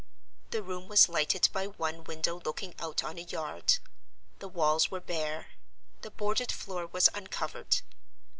The room was lighted by one window looking out on a yard; the walls were bare; the boarded floor was uncovered.